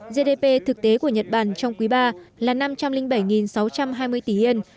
gdp thực tế của nhật bản trong quý ba là năm trăm linh bảy sáu trăm hai mươi tỷ yên